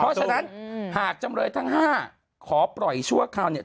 เพราะฉะนั้นหากจำเลยทั้ง๕ขอปล่อยชั่วคราวเนี่ย